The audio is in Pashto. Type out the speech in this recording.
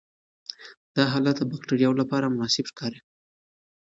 دا حالت د باکټریاوو لپاره مناسب ښکاري.